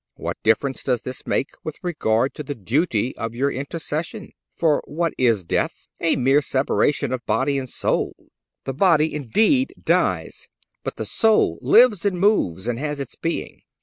What difference does this make with regard to the duty of your intercession? For what is death? A mere separation of body and soul. The body, indeed, dies, but the soul "lives and moves and has its being."